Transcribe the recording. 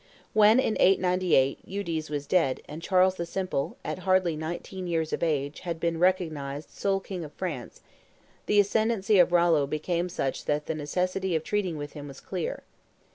When, in 898, Eudes was dead, and Charles the Simple, at hardly nineteen years of age, had been recognized sole king of France, the ascendency of Rollo became such that the necessity of treating with him was clear.